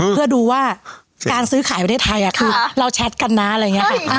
เพื่อดูว่าการซื้อขายประเทศไทยคือเราแชทกันนะอะไรอย่างนี้ค่ะ